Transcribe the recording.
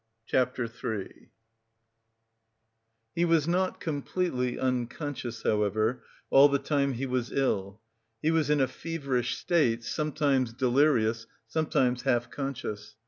CHAPTER III He was not completely unconscious, however, all the time he was ill; he was in a feverish state, sometimes delirious, sometimes half conscious.